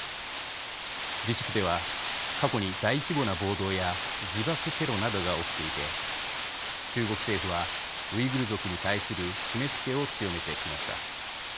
自治区では、過去に大規模な暴動や自爆テロなどが起きていて中国政府はウイグル族に対する締めつけを強めてきました。